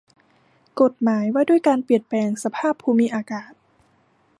กฎหมายว่าด้วยการเปลี่ยนแปลงสภาพภูมิอากาศ